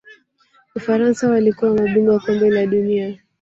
ufaransa walikuwa mabingwa Kombe la dunia